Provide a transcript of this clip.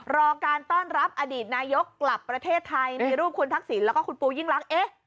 รอการต้อนรับอดีตนายกกลับประเทศไทยมีรูปคุณทักษิณแล้วก็คุณปูยิ่งรัก